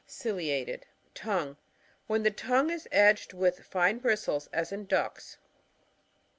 Ciliated (tongue) — Wht n the tongue is edged with fine bristles, as in ducks.